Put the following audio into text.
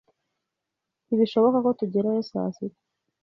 Ntibishoboka ko tugerayo saa sita.